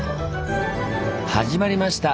始まりました！